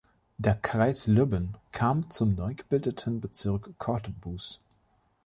Der Kreis Lübben kam zum neugebildeten Bezirk Cottbus.